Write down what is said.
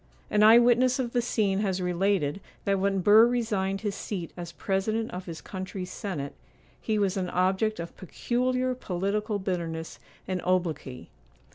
An eye witness of the scene has related that when Burr resigned his seat as president of his country's senate, he was an object of peculiar political bitterness and obloquy.